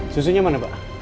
susunya mana mbak